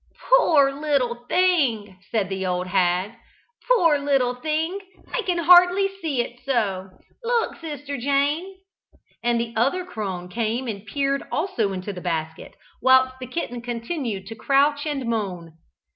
"Poor little thing!" said the old hag. "Poor little thing! I can hardly see it so. Look, sister Jane!" and the other crone came and peered also into the basket, whilst the kitten continued to crouch and moan.